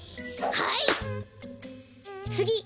はい！